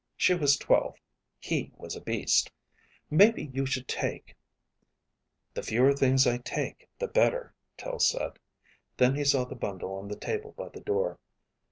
She was twelve. He was a beast. Maybe you should take " "The fewer things I take the better," Tel said. Then he saw the bundle on the table by the door.